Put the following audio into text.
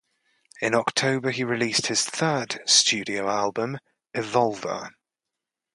In October, he released his third studio album, "Evolver".